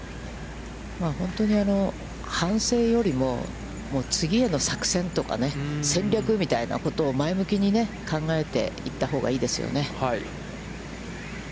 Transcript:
本当に、反省よりも次への作戦とかね、戦略みたいなことを前向きに考えていったほうがいいですよね。